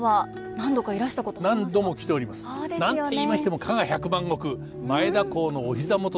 何といいましても加賀百万石前田公のお膝元です。